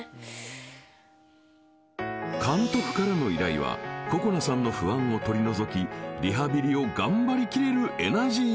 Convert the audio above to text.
監督からの依頼は心菜さんの不安を取り除きリハビリを頑張りきれるエナジー